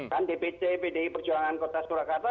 kan dpc pdi perjuangan kota surakarta